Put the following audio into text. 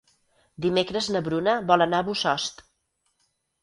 Dimecres na Bruna vol anar a Bossòst.